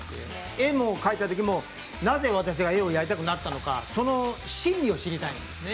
絵を描いたときにもなぜ私は絵をやりたくなったのかその心理を知りたいんですね。